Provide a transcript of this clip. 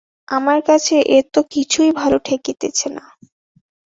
আমার কাছে এ তো কিছুই ভালো ঠেকিতেছে না।